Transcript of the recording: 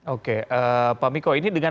oke pak miko ini dengan